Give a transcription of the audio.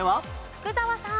福澤さん。